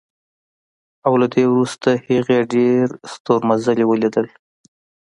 او له دې وروسته هغې ډېر ستورمزلي ولیدل